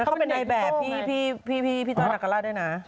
เขาเป็นใดแบบพี่ท่องนักกะระได้นะ